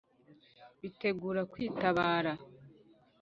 Bitegura kwitabara.